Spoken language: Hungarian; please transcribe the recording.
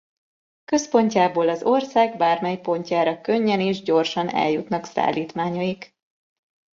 Központjából az ország bármely pontjára könnyen és gyorsan eljutnak szállítmányaik.